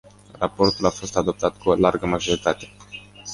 Raportul a fost adoptat cu o largă majoritate.